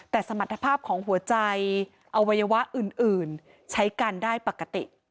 แต่สมรรถภาพของหัวใจอวัยวะอื่นใช้กันได้ปกติ